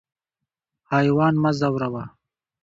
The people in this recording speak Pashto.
حیوان مه ځوروه.